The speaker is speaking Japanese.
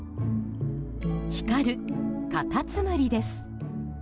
光るカタツムリです。